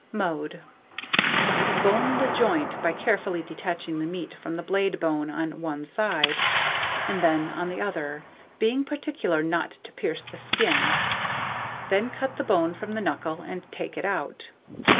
Mode. Bone the joint by carefully detaching the meat from the blade bone on one side, and then on the other, being particular not to pierce the skin; then cut the bone from the knuckle, and take it out.